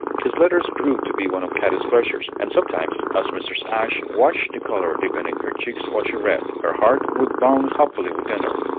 His letters grew to be one of Katy's pleasures; and sometimes, as Mrs. Ashe watched the color deepen in her cheeks while she read, her heart would bound hopefully within her.